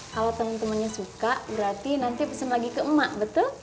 kalau teman temannya suka berarti nanti pesen lagi ke emak betul